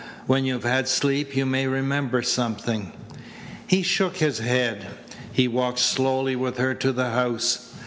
When you've had sleep you may remember something." He shook his head. He walked slowly with her to the house.